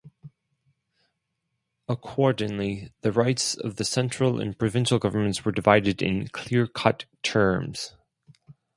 Accordingly, the Rights of the Central and Provincial Governments were divided in clear-cut terms.